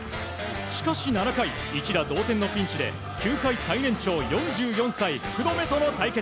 しかし、７回一打同点のピンチで球界最年長、４４歳福留との対決。